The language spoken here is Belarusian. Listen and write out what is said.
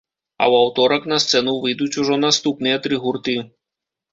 А ў аўторак на сцэну выйдуць ужо наступныя тры гурты.